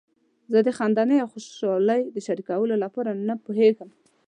زه د خندنۍ او خوشحالۍ د شریکولو لپاره نه پوهیږم.